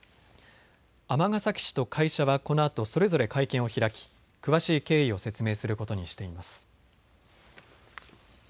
尼崎市と会社はこのあとそれぞれ会見を開き詳しい経緯を説明することにしています。